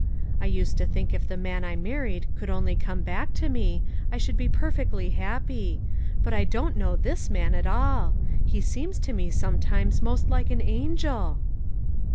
I used to think if the man I married could only come back to me I should be per fectly happy ; but I don't know this man at all; he seems to me sometimes most like an angel."